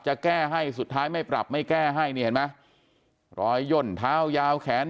จะแก้ให้สุดท้ายไม่ปรับไม่แก้ให้นี่เห็นไหมรอยย่นเท้ายาวแขน